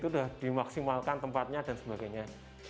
sudah dimaksimalkan tempatnya dan sebagainya